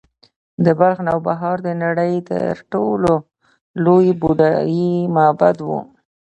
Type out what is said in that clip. د بلخ نوبهار د نړۍ تر ټولو لوی بودايي معبد و